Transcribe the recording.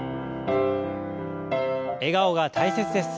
笑顔が大切です。